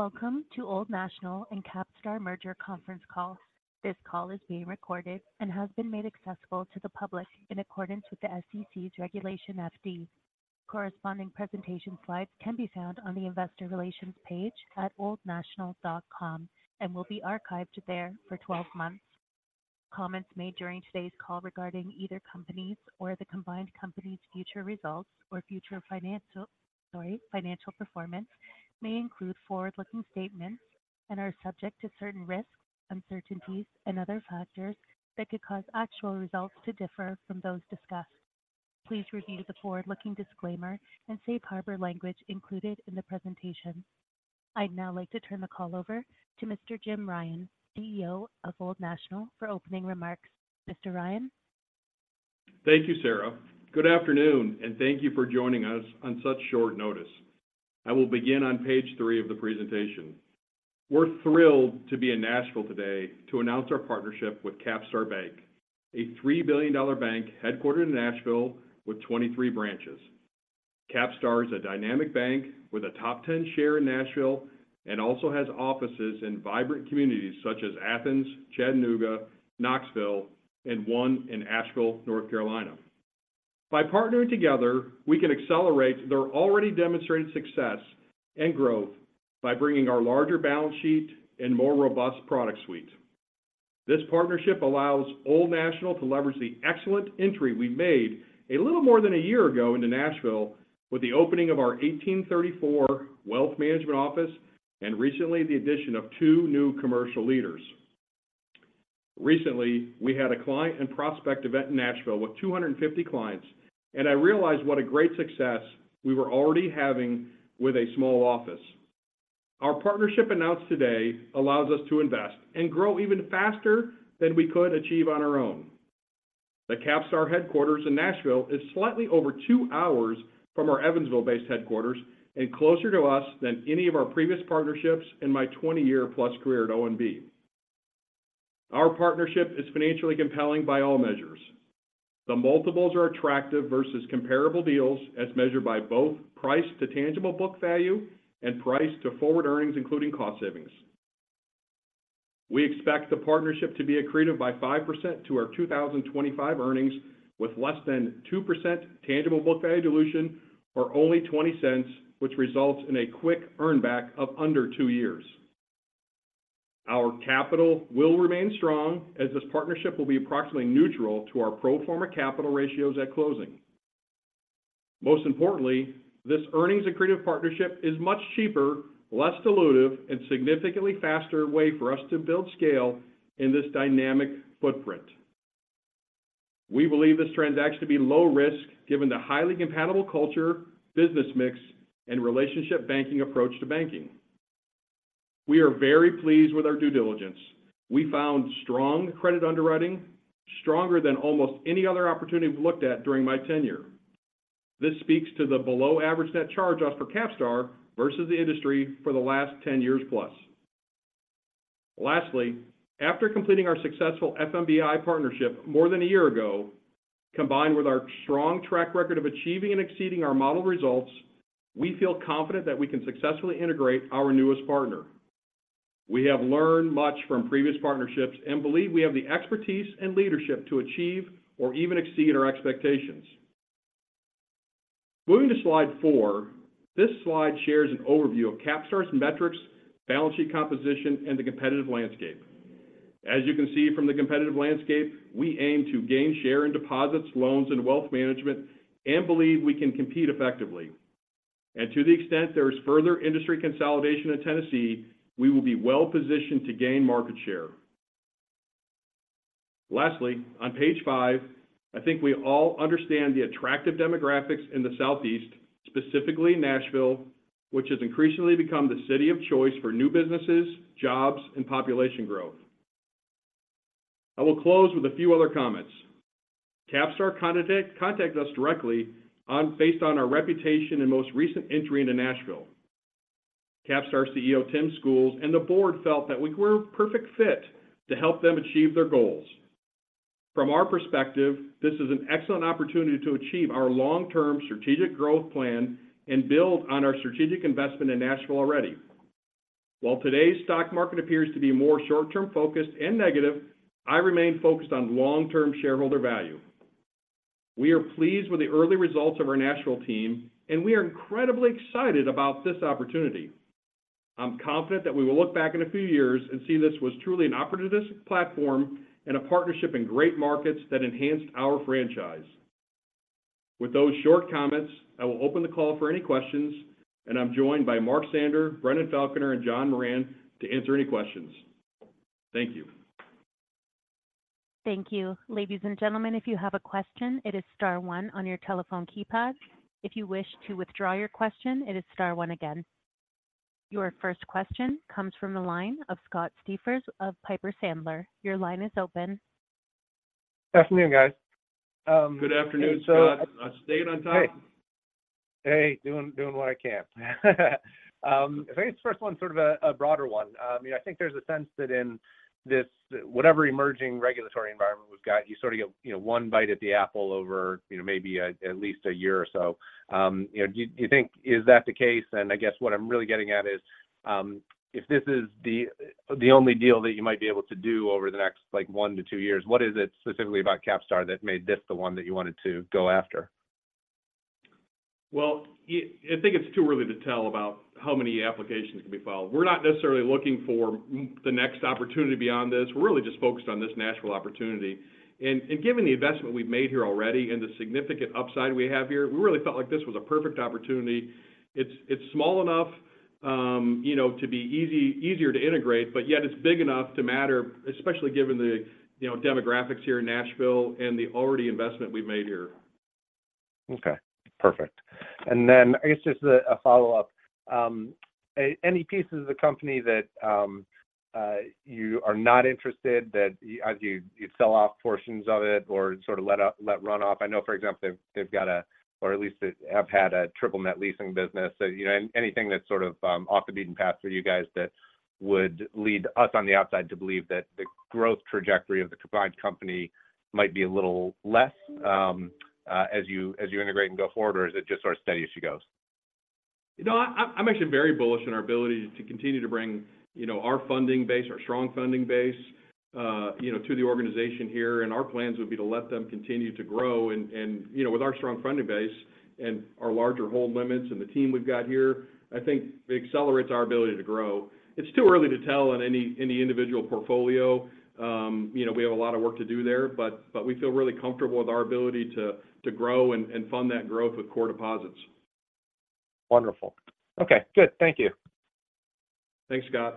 Welcome to Old National and CapStar Merger Conference Call. This call is being recorded and has been made accessible to the public in accordance with the SEC's Regulation FD. Corresponding presentation slides can be found on the Investor Relations page at oldnational.com and will be archived there for 12 months. Comments made during today's call regarding either companies or the combined company's future results or future financial, sorry, financial performance may include forward-looking statements and are subject to certain risks, uncertainties, and other factors that could cause actual results to differ from those discussed. Please review the forward-looking disclaimer and safe harbor language included in the presentation. I'd now like to turn the call over to Mr. Jim Ryan, CEO of Old National, for opening remarks. Mr. Ryan? Thank you, Sarah. Good afternoon, and thank you for joining us on such short notice. I will begin on page 3 of the presentation. We're thrilled to be in Nashville today to announce our partnership with CapStar Bank, a $3 billion bank headquartered in Nashville with 23 branches. CapStar is a dynamic bank with a top 10 share in Nashville and also has offices in vibrant communities such as Athens, Chattanooga, Knoxville, and one in Asheville, North Carolina. By partnering together, we can accelerate their already demonstrated success and growth by bringing our larger balance sheet and more robust product suite. This partnership allows Old National to leverage the excellent entry we made a little more than a year ago into Nashville with the opening of our 1834 wealth management office, and recently, the addition of two new commercial leaders. Recently, we had a client and prospect event in Nashville with 250 clients, and I realized what a great success we were already having with a small office. Our partnership announced today allows us to invest and grow even faster than we could achieve on our own. The CapStar headquarters in Nashville is slightly over two hours from our Evansville-based headquarters and closer to us than any of our previous partnerships in my 20+ year career at ONB. Our partnership is financially compelling by all measures. The multiples are attractive versus comparable deals as measured by both price to tangible book value and price to forward earnings, including cost savings. We expect the partnership to be accretive by 5% to our 2025 earnings, with less than 2% tangible book value dilution or only $0.20, which results in a quick earn back of under two years. Our capital will remain strong as this partnership will be approximately neutral to our pro forma capital ratios at closing. Most importantly, this earnings accretive partnership is a much cheaper, less dilutive, and significantly faster way for us to build scale in this dynamic footprint. We believe this transaction to be low risk, given the highly compatible culture, business mix, and relationship banking approach to banking. We are very pleased with our due diligence. We found strong credit underwriting, stronger than almost any other opportunity we've looked at during my tenure. This speaks to the below-average net charge-off for CapStar versus the industry for the last 10 years plus. Lastly, after completing our successful FMBI partnership more than a year ago, combined with our strong track record of achieving and exceeding our model results, we feel confident that we can successfully integrate our newest partner. We have learned much from previous partnerships and believe we have the expertise and leadership to achieve or even exceed our expectations. Moving to slide 4, this slide shares an overview of CapStar's metrics, balance sheet composition, and the competitive landscape. As you can see from the competitive landscape, we aim to gain share in deposits, loans, and wealth management and believe we can compete effectively. To the extent there is further industry consolidation in Tennessee, we will be well positioned to gain market share. Lastly, on page 5, I think we all understand the attractive demographics in the Southeast, specifically Nashville, which has increasingly become the city of choice for new businesses, jobs, and population growth. I will close with a few other comments. CapStar contacted us directly based on our reputation and most recent entry into Nashville. CapStar CEO, Tim Schools, and the board felt that we were a perfect fit to help them achieve their goals. From our perspective, this is an excellent opportunity to achieve our long-term strategic growth plan and build on our strategic investment in Nashville already. While today's stock market appears to be more short-term focused and negative, I remain focused on long-term shareholder value. We are pleased with the early results of our Nashville team, and we are incredibly excited about this opportunity. I'm confident that we will look back in a few years and see this was truly an opportunistic platform and a partnership in great markets that enhanced our franchise. With those short comments, I will open the call for any questions, and I'm joined by Mark Sander, Brendon Falconer, and John Moran to answer any questions. Thank you. Thank you. Ladies and gentlemen, if you have a question, it is star one on your telephone keypad. If you wish to withdraw your question, it is star one again. Your first question comes from the line of Scott Siefers of Piper Sandler. Your line is open. Good afternoon, guys... Good afternoon, Scott. I stayed on top? Hey, doing what I can. I think this first one's sort of a broader one. You know, I think there's a sense that in this whatever emerging regulatory environment we've got, you sort of get one bite at the apple over, you know, maybe at least a year or so. You know, do you think is that the case? And I guess what I'm really getting at is, if this is the only deal that you might be able to do over the next, like, one to two years, what is it specifically about CapStar that made this the one that you wanted to go after? Well, I think it's too early to tell about how many applications can be filed. We're not necessarily looking for the next opportunity beyond this. We're really just focused on this Nashville opportunity. Given the investment we've made here already and the significant upside we have here, we really felt like this was a perfect opportunity. It's small enough, you know, to be easier to integrate, but yet it's big enough to matter, especially given the, you know, demographics here in Nashville and the already investment we've made here. Okay, perfect. I guess just a follow-up. Any pieces of the company that you are not interested in that as you sell off portions of it or sort of let run off? I know, for example, they've got a, or at least have had, a triple net leasing business. You know, anything that's sort of off the beaten path for you guys that would lead us on the outside to believe that the growth trajectory of the combined company might be a little less as you integrate and go forward? Is it just sort of steady as she goes? You know, I, I'm, I'm actually very bullish on our ability to continue to bring, you know, our funding base, our strong funding base, you know, to the organization here. Our plans would be to let them continue to grow. You know, with our strong funding base and our larger hold limits and the team we've got here, I think it accelerates our ability to grow. It's too early to tell on any individual portfolio. You know, we have a lot of work to do there, but we feel really comfortable with our ability to grow and fund that growth with core deposits. Wonderful. Okay, good. Thank you. Thanks, Scott.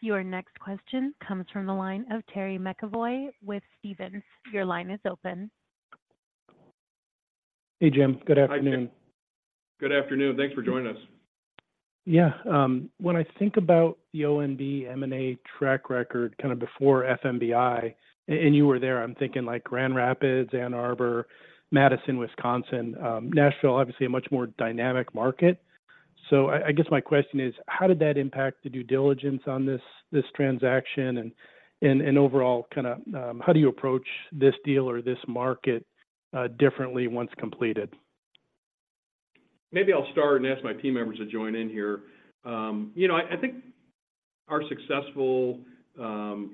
Your next question comes from the line of Terry McEvoy with Stephens. Your line is open. Hey, Jim. Good afternoon. Hi, Terry. Good afternoon. Thanks for joining us. Yeah. When I think about the ONB M&A track record, kind of before FMBI, and you were there, I'm thinking like Grand Rapids, Ann Arbor, Madison, Wisconsin. Nashville, obviously a much more dynamic market. So I guess my question is: How did that impact the due diligence on this transaction? And overall, kind of, how do you approach this deal or this market differently once completed? Maybe I'll start and ask my team members to join in here. You know, I think our successful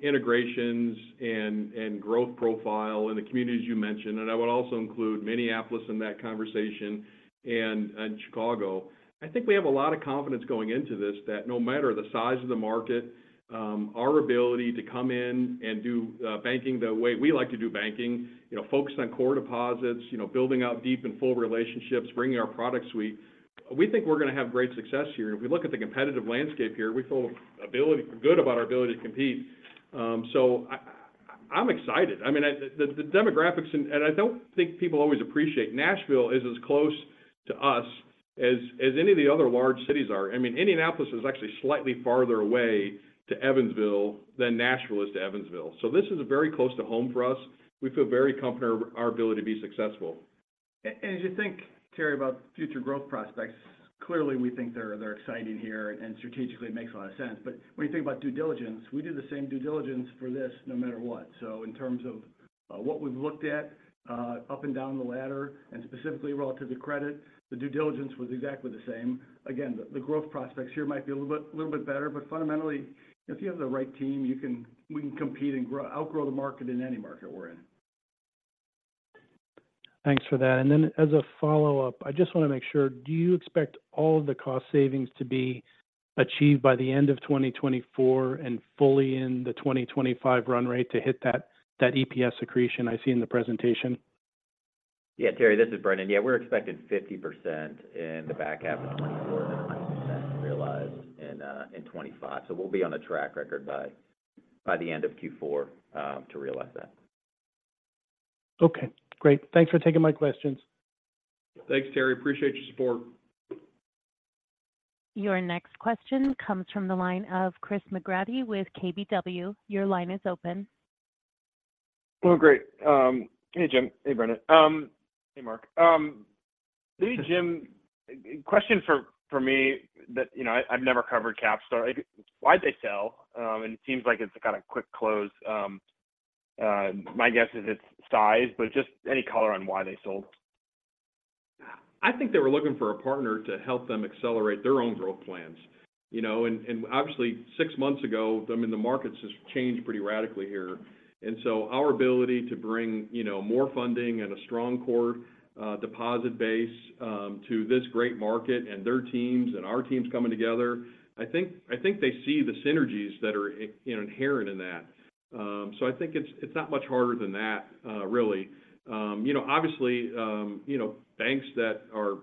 integrations and growth profile in the communities you mentioned, and I would also include Minneapolis in that conversation and Chicago. I think we have a lot of confidence going into this, that no matter the size of the market, our ability to come in and do banking the way we like to do banking, you know, focused on core deposits, building out deep and full relationships, bringing our product suite, we think we're gonna have great success here. If we look at the competitive landscape here, we feel good about our ability to compete. You know, I’m excited. I mean, the demographics and I don't think people always appreciate, Nashville is as close to us as any of the other large cities are. I mean, Indianapolis is actually slightly farther away to Evansville than Nashville is to Evansville. So this is very close to home for us. We feel very confident of our ability to be successful. And as you think, Terry, about future growth prospects, clearly, we think they're, they're exciting here, and strategically, it makes a lot of sense. But when you think about due diligence, we do the same due diligence for this no matter what. So in terms of what we've looked at up and down the ladder, and specifically relative to credit, the due diligence was exactly the same. Again, the growth prospects here might be a little bit, little bit better, but fundamentally, if you have the right team, you can we can compete and grow outgrow the market in any market we're in. Thanks for that. And then as a follow-up, I just want to make sure: Do you expect all of the cost savings to be achieved by the end of 2024 and fully in the 2025 run rate to hit that, that EPS accretion I see in the presentation? Yeah, Terry, this is Brendon. Yeah, we're expecting 50% in the back half of 2024 and 100% realized in 2025. So we'll be on a track record by the end of Q4 to realize that. Okay, great. Thanks for taking my questions. Thanks, Terry. Appreciate your support. Your next question comes from the line of Chris McGratty with KBW. Your line is open. Oh, great. Hey, Jim. Hey, Brendon. Hey, Mark. Hey, Jim, question for me that, you know, I, I've never covered CapStar. Why'd they sell? It seems like it's a kind of quick close. My guess is it's size, but just any color on why they sold. I think they were looking for a partner to help them accelerate their own growth plans, you know. And obviously, six months ago, I mean, the markets has changed pretty radically here. And so our ability to bring, you know, more funding and a strong core deposit base to this great market and their teams and our teams coming together, I think they see the synergies that are inherent in that. So I think it's not much harder than that, really. You know, obviously, banks that are,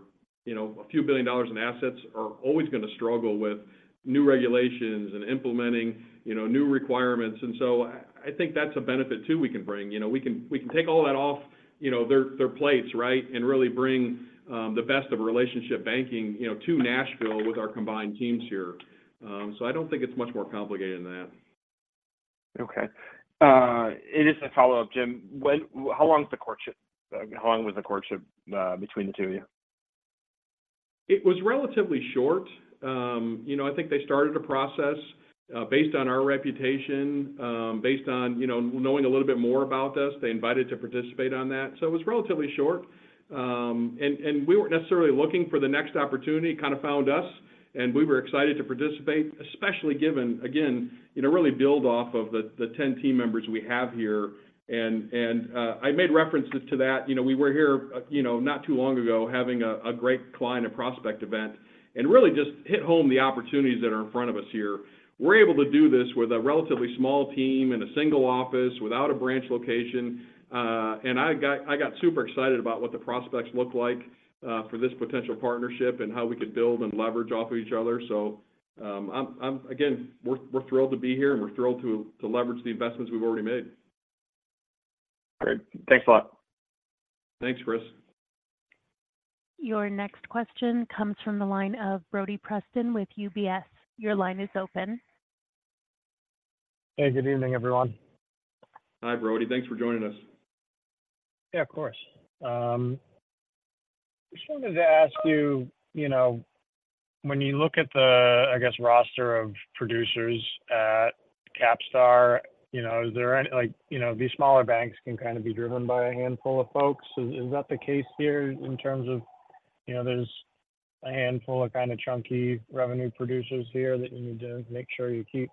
you know, a few billion dollars in assets are always gonna struggle with new regulations and implementing, you know, new requirements. And so I think that's a benefit too we can bring. You know, we can, we can take all that off, you know, their, their plates, right? And really bring the best of relationship banking, you know, to Nashville with our combined teams here. So I don't think it's much more complicated than that. Okay. And just a follow-up, Jim. When, how long is the courtship? How long was the courtship between the two of you? It was relatively short. You know, I think they started a process, based on our reputation, based on, you know, knowing a little bit more about us. They invited to participate on that, so it was relatively short. And we weren't necessarily looking for the next opportunity, it kind of found us, and we were excited to participate, especially given, again, you know, really build off of the 10 team members we have here. And I made references to that. You know, we were here, you know, not too long ago, having a great client and prospect event, and really just hit home the opportunities that are in front of us here. We're able to do this with a relatively small team in a single office without a branch location. I got, I got super excited about what the prospects look like for this potential partnership and how we could build and leverage off of each other. I'm, I'm-- again, we're, we're thrilled to be here, and we're thrilled to leverage the investments we've already made. Great. Thanks a lot. Thanks, Chris. Your next question comes from the line of Brodie Preston with UBS. Your line is open. Hey, good evening, everyone. Hi, Brodie. Thanks for joining us. Yeah, of course. Just wanted to ask you, you know, when you look at the, I guess, roster of producers at CapStar, you know, is there any—like, you know, these smaller banks can kind of be driven by a handful of folks. Is, is that the case here in terms of, you know, there's a handful of kind of chunky revenue producers here that you need to make sure you keep?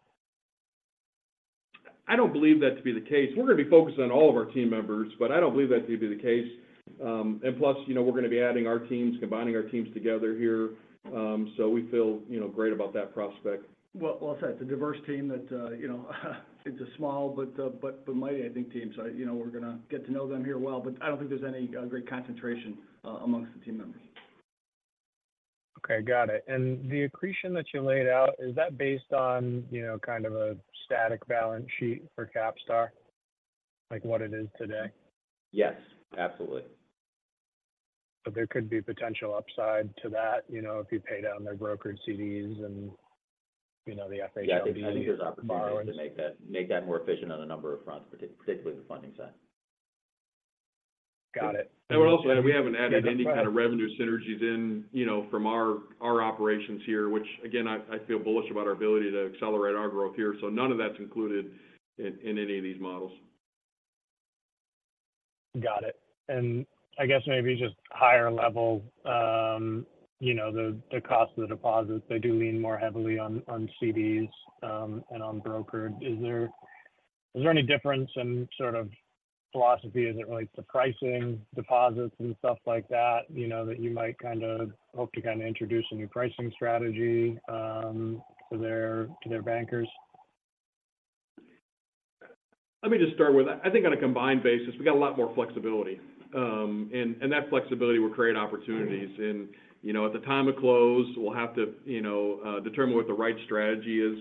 I don't believe that to be the case. We're gonna be focusing on all of our team members, I don't believe that to be the case. You know, we're gonna be adding our teams, combining our teams together here. You know, we feel great about that prospect. Well, I'll say it's a diverse team that, you know, it's a small but mighty, I think, team. So, you know, we're gonna get to know them here well, but I don't think there's any great concentration amongst the team members. Okay, got it. And the accretion that you laid out, is that based on, you know, kind of a static balance sheet for CapStar, like what it is today? Yes, absolutely. There could be potential upside to that, you know, if you pay down their brokered CDs and, you know, the - Yeah, I think there's opportunity to make that more efficient on a number of fronts, particularly the funding side. Got it. We're also, and we haven't added any kind of revenue synergies in, you know, from our operations here, which again, I feel bullish about our ability to accelerate our growth here. So none of that's included in any of these models. Got it. And I guess maybe just higher level, you know, the cost of the deposits, they do lean more heavily on CDs and on brokered. Is there any difference in sort of philosophy as it relates to pricing deposits and stuff like that, you know, that you might kind of hope to kind of introduce a new pricing strategy to their bankers? Let me just start with, I think on a combined basis, we got a lot more flexibility. And that flexibility will create opportunities. And, you know, at the time of close, we'll have to, you know, determine what the right strategy is,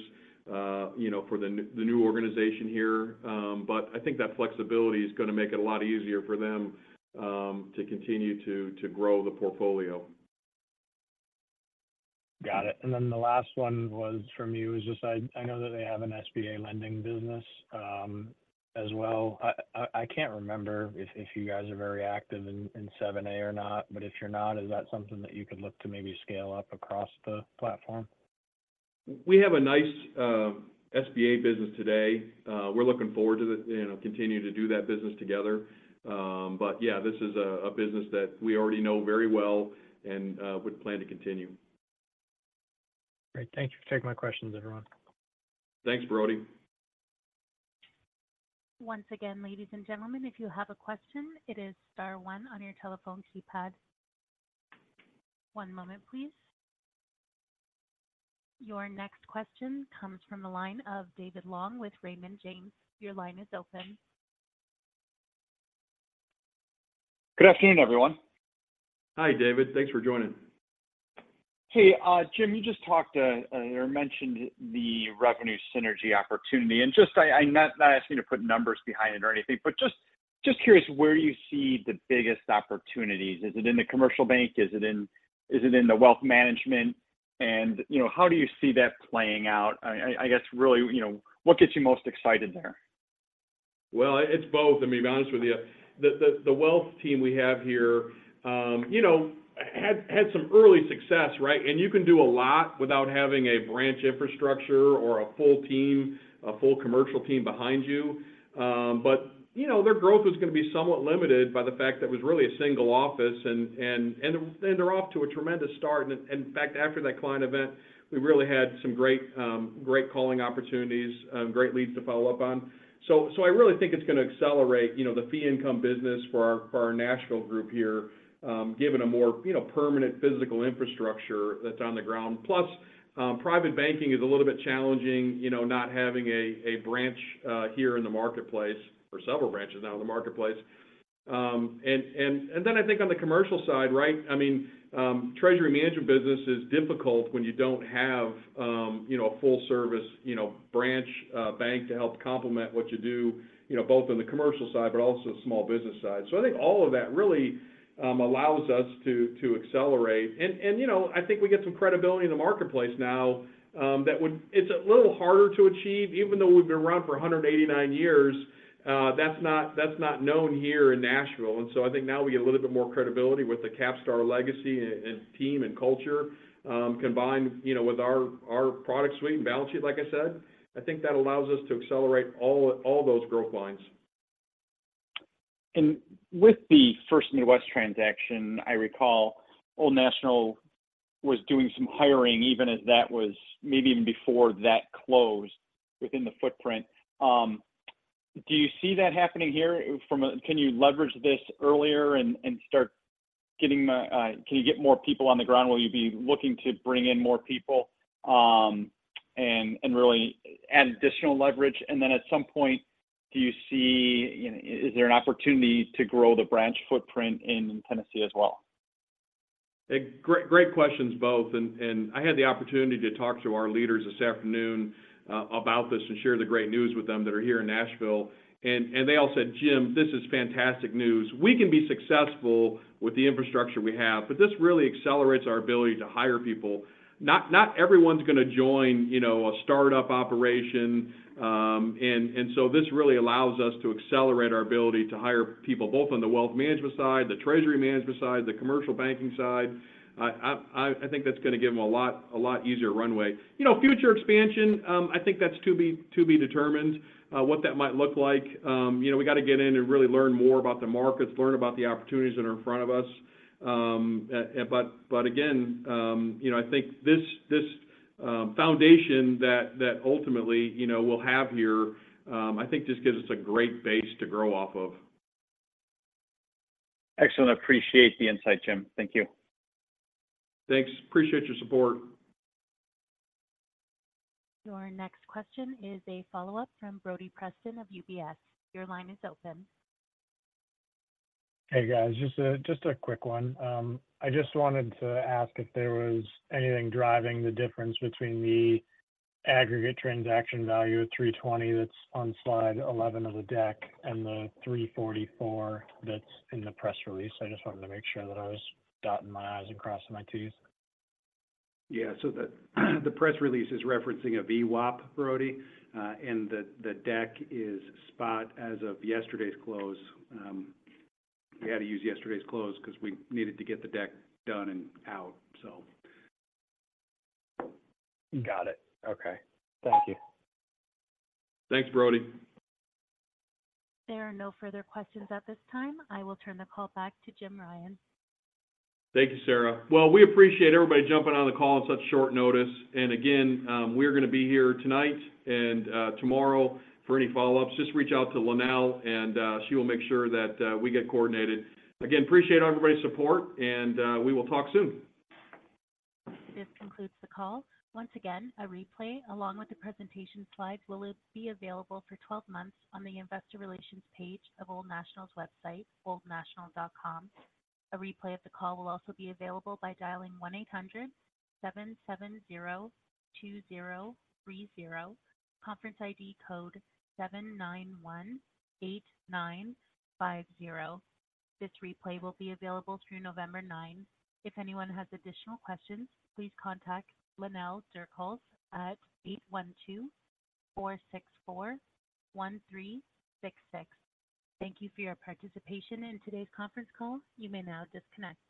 you know, for the new organization here. But I think that flexibility is gonna make it a lot easier for them to continue to grow the portfolio. Got it. And then the last one was from you, is just I know that they have an SBA lending business, as well. I can't remember if you guys are very active in 7(a) or not, but if you're not, is that something that you could look to maybe scale up across the platform? We have a nice SBA business today. We're looking forward to, you know, continuing to do that business together. But yeah, this is a business that we already know very well and would plan to continue. Great. Thank you for taking my questions, everyone. Thanks, Brodie. Once again, ladies and gentlemen, if you have a question, it is star one on your telephone keypad. One moment, please. Your next question comes from the line of David Long with Raymond James. Your line is open. Good afternoon, everyone. Hi, David. Thanks for joining. Hey, Jim, you just talked or mentioned the revenue synergy opportunity, and just I, I'm not asking you to put numbers behind it or anything, but just curious, where do you see the biggest opportunities? Is it in the commercial bank? Is it in the wealth management? And, you know, how do you see that playing out? I guess, really, you know, what gets you most excited there? Well, it's both, let me be honest with you. The wealth team we have here, you know, had some early success, right? And you can do a lot without having a branch infrastructure or a full team, a full commercial team behind you. But, you know, their growth was gonna be somewhat limited by the fact that it was really a single office and they're off to a tremendous start. And in fact, after that client event, we really had some great calling opportunities, great leads to follow up on. So I really think it's gonna accelerate, you know, the fee income business for our Nashville group here, given a more permanent physical infrastructure that's on the ground. Plus private banking is a little bit challenging, you know, not having a branch here in the marketplace, or several branches now in the marketplace. And then I think on the commercial side, right? I mean, treasury management business is difficult when you don't have, you know, a full service, you know, branch bank to help complement what you do, you know, both on the commercial side, but also the small business side. I think all of that really allows us to accelerate. And, you know, I think we get some credibility in the marketplace now, that would-- it's a little harder to achieve, even though we've been around for 189 years, that's not, that's not known here in Nashville. And so I think now we get a little bit more credibility with the CapStar legacy and team and culture, combined, you know, with our product suite and balance sheet, like I said, I think that allows us to accelerate all those growth lines. And with the First Midwest transaction, I recall Old National was doing some hiring, even as that was maybe even before that closed within the footprint. Do you see that happening here? Can you leverage this earlier and start getting the can you get more people on the ground? Will you be looking to bring in more people and really add additional leverage? And then at some point, do you see, you know, is there an opportunity to grow the branch footprint in Tennessee as well? Great questions, both. I had the opportunity to talk to our leaders this afternoon about this and share the great news with them that are here in Nashville. They all said, "Jim, this is fantastic news. We can be successful with the infrastructure we have, but this really accelerates our ability to hire people." Not everyone's going to join, you know, a start-up operation. This really allows us to accelerate our ability to hire people, both on the wealth management side, the treasury management side, the commercial banking side. I think that's going to give them a lot easier runway. You know, future expansion, I think that's to be determined, what that might look like. You know, we got to get in and really learn more about the markets, learn about the opportunities that are in front of us. But again, you know, I think this foundation that ultimately, you know, we'll have here, I think just gives us a great base to grow off of. Excellent. Appreciate the insight, Jim. Thank you. Thanks. Appreciate your support. Your next question is a follow-up from Brodie Preston of UBS. Your line is open. Hey, guys, just a quick one. I just wanted to ask if there was anything driving the difference between the aggregate transaction value of $320 that's on slide 11 of the deck and the $344 that's in the press release? I just wanted to make sure that I was dotting my i's and crossing my t's. Yeah. So the press release is referencing a VWAP, Brodie, and the deck is spot as of yesterday's close. We had to use yesterday's close because we needed to get the deck done and out, so. Got it. Okay. Thank you. Thanks, Brodie. There are no further questions at this time. I will turn the call back to Jim Ryan. Thank you, Sarah. Well, we appreciate everybody jumping on the call on such short notice. We appreciate everybody's support, and we will talk soon. We are going to be here tonight and tomorrow for any follow-ups. Just reach out to Lynell, and she will make sure that we get coordinated. This concludes the call. Once again, a replay, along with the presentation slides, will it be available for 12 months on the investor relations page of Old National's website, oldnational.com. A replay of the call will also be available by dialing 1-800-770-2030, conference ID code 7918950. This replay will be available through November 9. If anyone has additional questions, please contact Lynell Durchholz at 812-464-1366. Thank you for your participation in today's conference call. You may now disconnect.